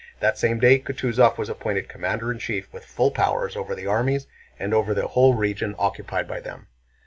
That same day Kutúzov was appointed commander in chief with full powers over the armies and over the whole region occupied by them.